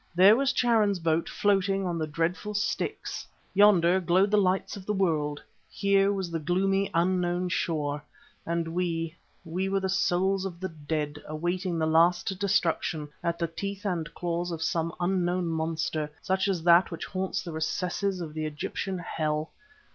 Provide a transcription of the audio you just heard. There was Charon's boat floating on the dreadful Styx. Yonder glowed the lights of the world, here was the gloomy, unknown shore. And we, we were the souls of the dead awaiting the last destruction at the teeth and claws of some unknown monster, such as that which haunts the recesses of the Egyptian hell.